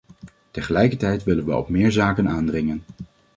Tegelijkertijd willen wij op meer zaken aandringen.